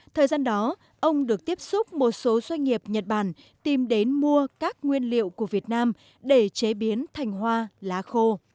thời gian đó ông được tiếp xúc một số doanh nghiệp nhật bản tìm đến mua các nguyên liệu của việt nam để chế biến thành hoa lá khô